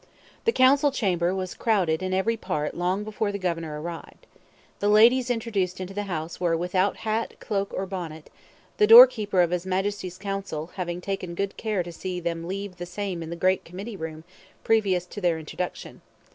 The Council chamber was crowded in every part long before the governor arrived. 'The Ladies introduced into the House' were 'without Hat, Cloak, or Bonnet,' the 'Doorkeeper of His Majesty's Council' having taken good care to see them 'leave the same in the Great Committee Room previous to their Introduction.'